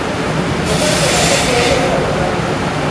وَتَرْكَ مَا تَهْوَى دَوَاؤُهَا